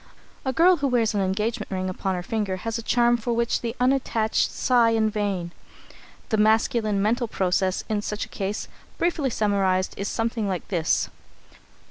A girl who wears an engagement ring upon her finger has a charm for which the unattached sigh in vain. The masculine mental process in such a case, briefly summarised, is something like this.